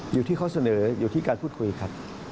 อยู่ที่ข้อเสนออยู่ที่การพูดคุยครับ